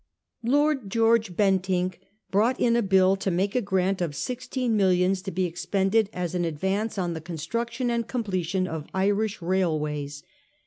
Lord George Bentinck brought in a bill to make a grant of sixteen millions to be expended as an advance on the construction and completion of Irish railways.